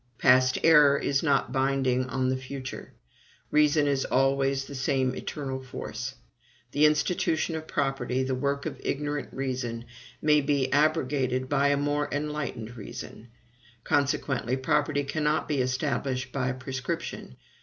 Past error is not binding on the future. Reason is always the same eternal force. The institution of property, the work of ignorant reason, may be abrogated by a more enlightened reason. Consequently, property cannot be established by prescription.